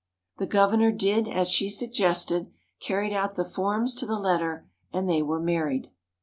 The Governor did as she suggested, carried out the forms to the letter, and they were married.